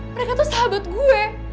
mereka tuh sahabat gue